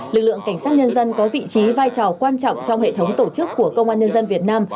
lực lượng cảnh sát nhân dân có vị trí vai trò quan trọng trong hệ thống tổ chức của công an nhân dân việt nam